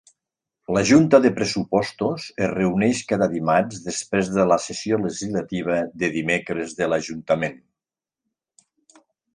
La junta de pressupostos es reuneix cada dimarts després de la sessió legislativa de dimecres de l'ajuntament.